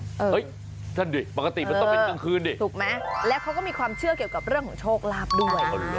เฮ้ยท่านดิปกติมันต้องเป็นกลางคืนดิถูกไหมแล้วเขาก็มีความเชื่อเกี่ยวกับเรื่องของโชคลาภด้วย